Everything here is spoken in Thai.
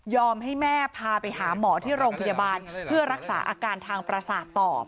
ให้แม่พาไปหาหมอที่โรงพยาบาลเพื่อรักษาอาการทางประสาทต่อ